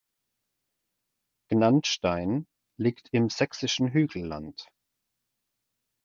Gnandstein liegt im Sächsischen Hügelland.